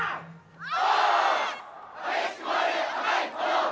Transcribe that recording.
お！